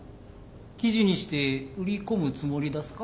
記事にして売り込むつもりだすか？